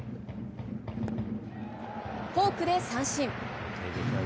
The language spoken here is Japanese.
フォークで三振。